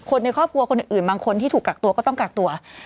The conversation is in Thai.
ในครอบครัวคนอื่นบางคนที่ถูกกักตัวก็ต้องกักตัว